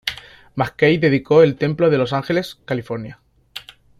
McKay dedicó el templo de Los Ángeles, California.